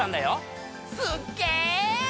すっげぇ！